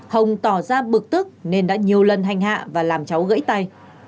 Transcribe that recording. hồng tỏ ra bực tức nên đã nhiều lần hành hạ và làm cháu gãy tay